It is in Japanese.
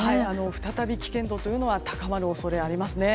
再び危険度が高まる恐れがあります。